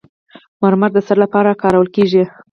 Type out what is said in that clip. مرمر د څه لپاره کارول کیږي؟